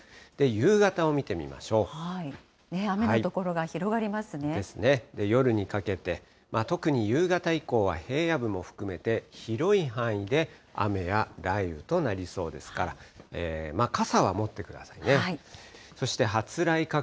夕方を見てみましょう。ですね。夜にかけて、特に夕方以降は平野部も含めて、広い範囲で雨や雷雨となりそうですから、傘は持ってくださいね。